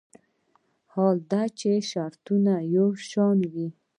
حال دا چې شرایط یو شان وي.